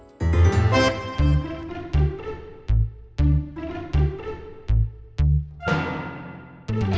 ia pengenliness dia juga gitu